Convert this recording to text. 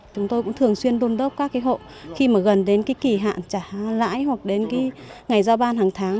chúng tôi cũng thường xuyên đôn đốc các hộ khi mà gần đến kỳ hạn trả lãi hoặc đến ngày giao ban hàng tháng